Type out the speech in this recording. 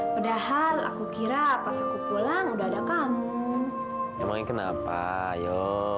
padahal aku kira pas aku pulang udah ada kamu emangnya kenapa yuk